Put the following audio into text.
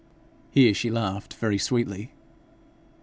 Here she laughed very sweetly.